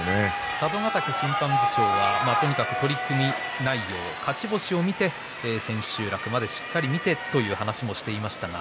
佐渡ヶ嶽審判部長は取組内容、勝ち星を見て千秋楽までしっかり見てという話をしていました。